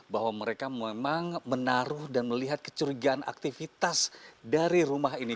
bahwa mereka memang menaruh dan melihat kecurigaan aktivitas dari rumah ini